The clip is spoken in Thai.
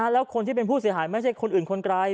แล้วคนที่เป็นผู้เสียหายไม่ใช่คนอื่นคนไกล